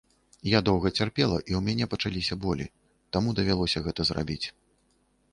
Я доўга цярпела і ў мяне пачаліся болі, таму давялося гэта зрабіць.